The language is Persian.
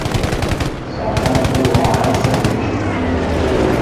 ساختن پل با آهنگ سریع پیش میرود.